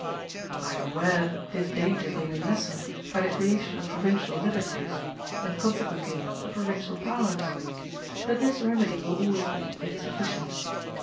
I am aware that this danger may be lessened by the creation of provincial liberties, and consequently of provincial powers, but this remedy will always be insufficient.